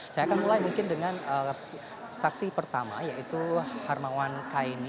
kita mulai mungkin dengan saksi pertama yaitu harmawan kaini